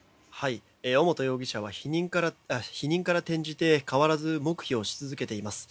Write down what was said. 尾本容疑者は否認から転じて変わらず黙秘をし続けています。